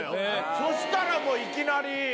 そしたらもういきなり。